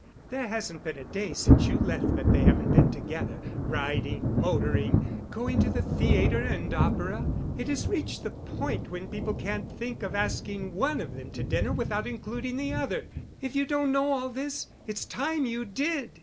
There hasn't been a day since you left that they haven't been together, riding, motoring, going to the theatre and opera. It has reached the point when people can't think of asking one of them to dinner without including the other. If you don't know all this, it's time you did.